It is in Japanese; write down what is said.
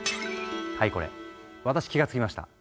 はいこれ私気が付きました！